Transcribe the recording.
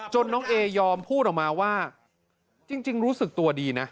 น้องเอยอมพูดออกมาว่าจริงรู้สึกตัวดีนะ